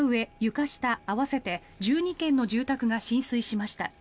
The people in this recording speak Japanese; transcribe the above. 床下合わせて１２軒の住宅が浸水しました。